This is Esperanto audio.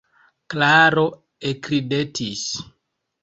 Klaro ekridetis.